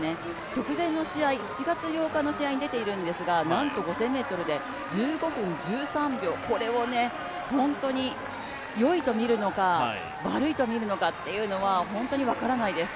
直前の試合、７月８日の試合に出ているんですがなんと５０００ｍで１５分１３秒、これをよいと見るのか悪いと見るのかというのは本当に分からないです。